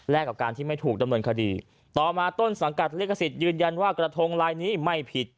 และกับการที่ไม่ถูกดำเนินคดีต่อมาต้นสังกัดลิขสิทธิ์ยืนยันว่ากระทงลายนี้ไม่ผิด